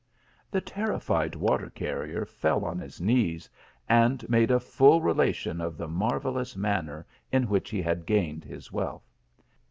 The terrified water carrier fell on his knees, and made a full relation of the marvellous manner in which he had gained his wealth.